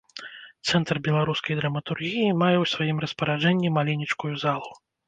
Цэнтр беларускай драматургіі мае ў сваім распараджэнні маленечкую залу.